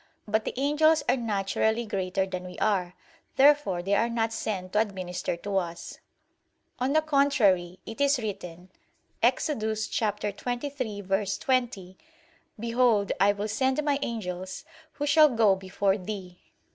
But the angels are naturally greater than we are. Therefore they are not sent to administer to us. On the contrary, It is written (Ex. 23:20): "Behold I will send My angels who shall go before thee."